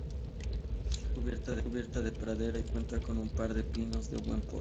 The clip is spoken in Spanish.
Está cubierta de pradera y cuenta con un par de pinos de buen porte.